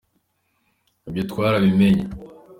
ibyo twarabimenye.